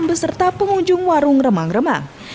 beserta pengunjung warung remang remang